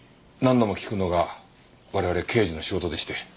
何度も聞くのが我々刑事の仕事でして。